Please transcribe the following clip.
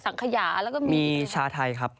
สังคยามีช้าไทครับ